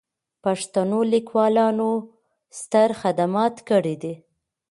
پښتنو لیکوالانو ستر خدمات کړي دي.